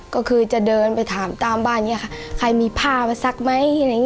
ก็คือจะเดินไปถามตามบ้านใครมีผ้ามาซักไหม